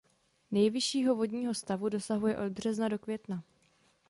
Nejvyššího vodního stavu dosahuje od března do května.